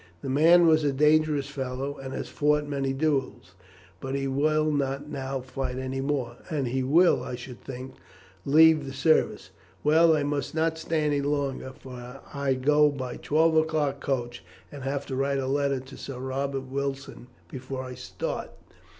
The man was a dangerous fellow, and has fought many duels, but he will not now fight any more; and he will, I should think, leave the service. Well, I must not stay any longer, for I go by the twelve o'clock coach, and have to write a letter to Sir Robert Wilson before I start."